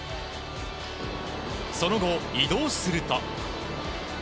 その後、移動すると。